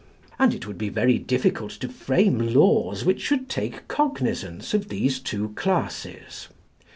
And it would be very difficult to frame laws which should take cognisance of these two classes.